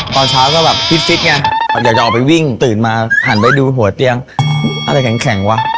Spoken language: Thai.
ตอนเช้าก็แบบฟิตไงอยากจะออกไปวิ่งตื่นมาหันไปดูหัวเตียงอะไรแข็งวะ